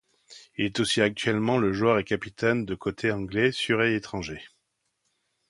Il est aussi actuellement le joueur et capitaine de côté anglais Surrey étranger.